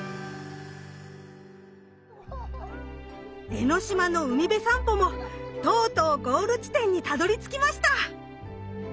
江の島の海辺さんぽもとうとうゴール地点にたどりつきました！